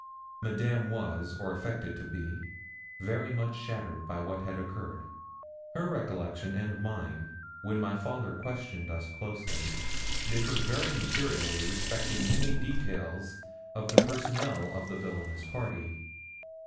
Madame was, or affected to be, very much shattered by what had occurred. Her recollection and mine, when my father questioned us closely, differed very materially respecting many details of the personnel of the villanous party.